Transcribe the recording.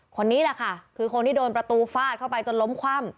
คนนี้แหละค่ะคือคนที่โดนประตูฟาดเข้าไปจนล้มคว่ำ